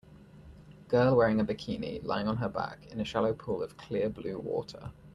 Girl wearing a bikini lying on her back in a shallow pool of clear blue water.